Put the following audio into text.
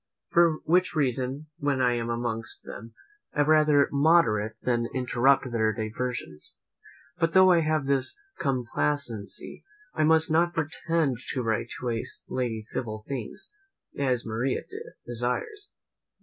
For which reason, when I am amongst them, I rather moderate than interrupt their diversions. But though I have this complacency, I must not pretend to write to a lady civil things, as Maria desires.